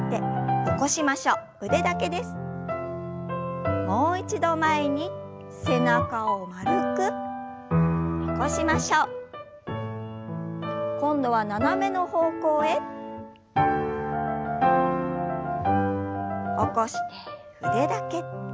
起こして腕だけ。